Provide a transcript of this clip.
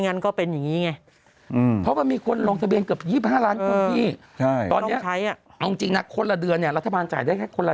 ๒๕ล้านคนพี่ตอนนี้คล้องจริงโมงจริงคนละเดือนและพนักจ่ายได้แค่คนละคน